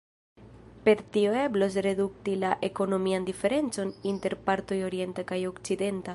Per tio eblos redukti la ekonomian diferencon inter partoj orienta kaj okcidenta.